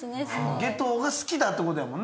夏油が好きだってことやもんね？